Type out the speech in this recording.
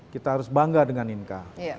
kita harus bangga dengan inka